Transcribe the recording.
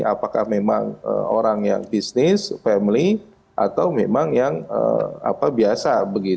apakah memang orang yang bisnis family atau memang yang biasa